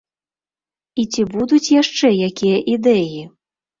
І ці будуць яшчэ якія ідэі?